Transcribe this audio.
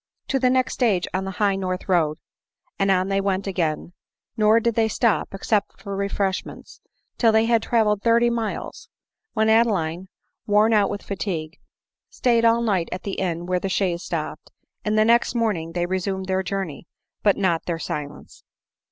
" To the next stage on the high north road." And on they went again ; nor did they stop, except for refresh ments, till they had travelled thirty miles ; when Ade line, worn out with fatigue, stayed all night at the inn where the chaise stopped, and the next morning they resumed their journey, but not their silence.